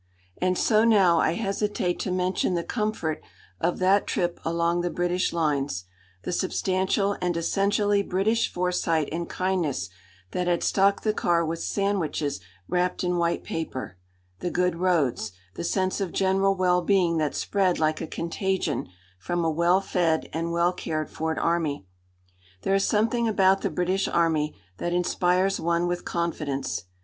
And so now I hesitate to mention the comfort of that trip along the British lines; the substantial and essentially British foresight and kindness that had stocked the car with sandwiches wrapped in white paper; the good roads; the sense of general well being that spread like a contagion from a well fed and well cared for army. There is something about the British Army that inspires one with confidence.